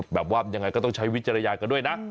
แบบว่ายังไงก็ต้องใช้วิจารณญาณกันด้วยนะ